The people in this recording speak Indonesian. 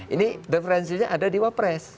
ini diferensinya ada di wapres